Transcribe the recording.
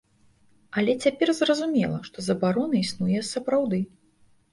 Але цяпер зразумела, што забарона існуе сапраўды.